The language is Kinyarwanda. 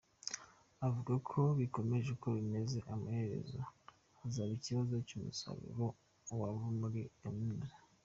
Avuga ko bikomeje uko bimeze amaherezo hazaba ikibazo cy’umusaruro w’abava muri kaminuza.